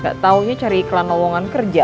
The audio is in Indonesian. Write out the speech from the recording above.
gak taunya cari iklan lowongan kerja